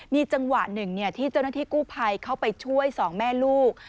มีจังหวะหนึ่งที่เจ้าหน้าที่กู้ภัยเข้าไปช่วยสองแม่ลูก